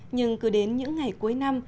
nhưng cứ đến những ngày cuối năm